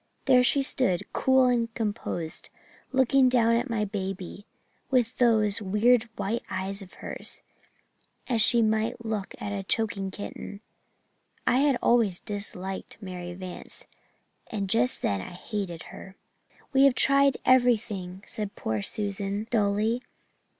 There she stood, cool and composed, looking down at my baby, with those, weird white eyes of hers, as she might look at a choking kitten. I had always disliked Mary Vance and just then I hated her. "'We have tried everything,' said poor Susan dully.